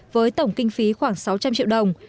với tổng kinh phí khoảng sáu trăm linh triệu đồng